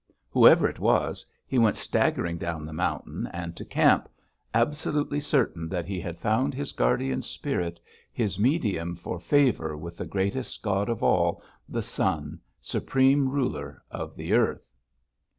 Whoever it was, he went staggering down the mountain and to camp, absolutely certain that he had found his guardian spirit, his medium for favor with the greatest god of all, the Sun, supreme ruler of this earth.